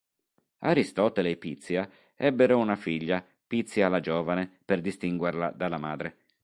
Aristotele e Pizia ebbero una figlia, Pizia la Giovane per distinguerla dalla madre.